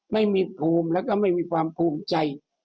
ไม่มีภูมิแล้วก็ไม่มีความภูมิใจ